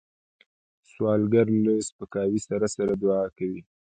سوالګر له سپکاوي سره سره دعا کوي